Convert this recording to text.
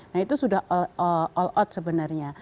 nah itu sudah all out sebenarnya